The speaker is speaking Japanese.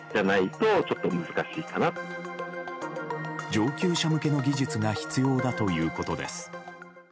上級者向けの技術が必要だということです。